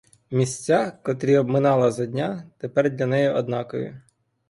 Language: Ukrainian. Місця, котрі обминала за дня, — тепер для неї однакові.